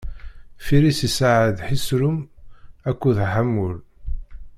Firiṣ isɛad Ḥiṣrun akked Ḥamul.